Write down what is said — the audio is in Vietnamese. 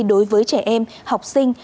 đối với trẻ em học sinh